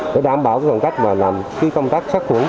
để đảm bảo khoảng cách làm công tác sát chuẩn